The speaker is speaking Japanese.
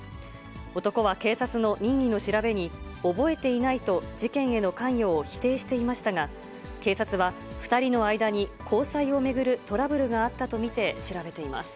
男は警察の任意の調べに、覚えていないと、事件への関与を否定していましたが、警察は２人の間に交際を巡るトラブルがあったと見て調べています。